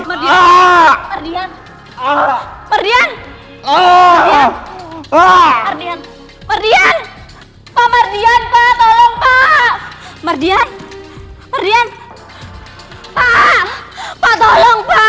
oh mardian oh mardian mardian pak mardian pak tolong pak mardian mardian pak pak tolong pak